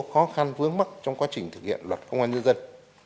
khó khăn vướng mắt trong quá trình thực hiện luật công an nhân dân